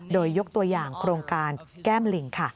โดยยกตัวอย่างโครงการแก้มลิง